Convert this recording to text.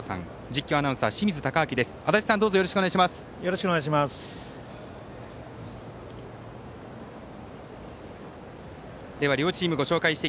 実況アナウンサー、清水敬亮です。